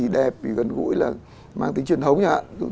cái mũi là mang tính truyền thống